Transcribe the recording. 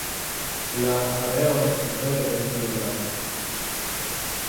La areo estas vere dense loĝata.